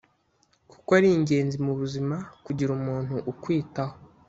kuko ari ingenzi mu buzima kugira umuntu ukwitaho